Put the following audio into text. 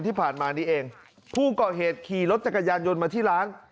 ที่ผ่านมานี้เองผู้ก่อเหตุขี่รถจักรยานยนต์มาที่ร้าน